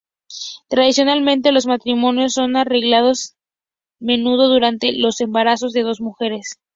Tradicionalmente, los matrimonios son arreglados, menudo, durante los embarazos de dos mujeres.